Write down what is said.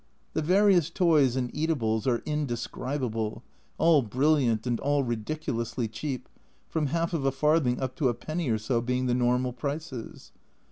The various toys and eatables are indescribable, all brilliant and all ridiculously cheap, from half of a farthing up to a penny or so being the normal prices.